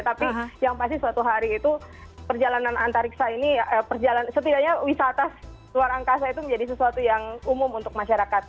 tapi yang pasti suatu hari itu perjalanan antariksa ini setidaknya wisata luar angkasa itu menjadi sesuatu yang umum untuk masyarakat